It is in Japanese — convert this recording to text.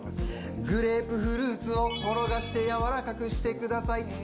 グレープフルーツを転がしてやわらかくしてください、Ｐｏｗ！